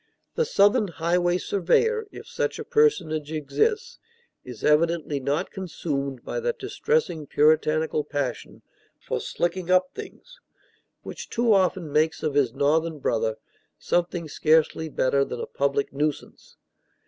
The Southern highway surveyor, if such a personage exists, is evidently not consumed by that distressing puritanical passion for "slicking up things" which too often makes of his Northern brother something scarcely better than a public nuisance.